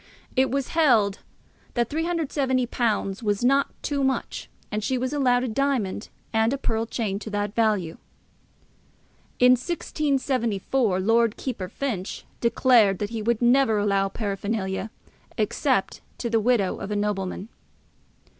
it was held that £370 was not too much, and she was allowed a diamond and a pearl chain to that value. In 1674, Lord Keeper Finch declared that he would never allow paraphernalia, except to the widow of a nobleman.